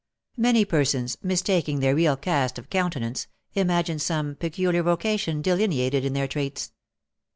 Many persons, mistaking their real cast of countenance, imagine some peculiar vocation delineated in their traits.